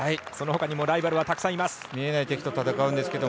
そのほかにもライバルはたくさんいます。